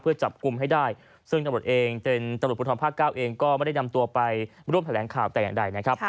เพื่อจับกลุ่มให้ได้ซึ่งตลอดพุทธภาคเก้าเองก็ไม่ได้นำตัวไปร่วมแสดงข่าวแต่อย่างใดนะครับ